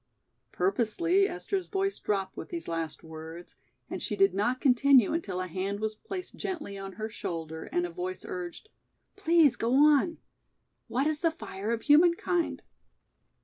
Purposely Esther's voice dropped with these last words, and she did not continue until a hand was placed gently on her shoulder and a voice urged: "Please go on; what is the 'fire of humankind'?"